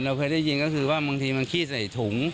เคยได้ยินก็คือว่าบางทีมันขี้ใส่ถุง